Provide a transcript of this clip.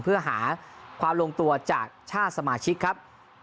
เพื่อหาความลงตัวจากชาติสมาชิกครับ